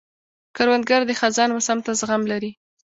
کروندګر د خزان موسم ته زغم لري